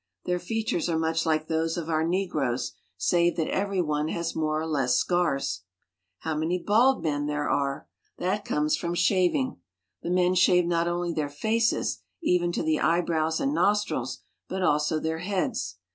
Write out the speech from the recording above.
Their features are much like those of our negroes, save that every one has more or less scars. How many bald men there are I That comes from shav I ing. The men shave not only their faces even to the eyebrows and nostrils, but also their heads.